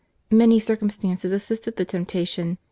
Many circumstances assisted the temptation.